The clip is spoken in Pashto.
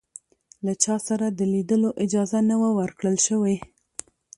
له چا سره د لیدلو اجازه نه وه ورکړل شوې.